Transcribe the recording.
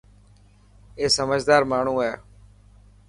اي سمجهدار ماڻهو هي.